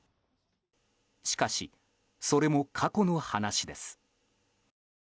しかし、それも過去の話です。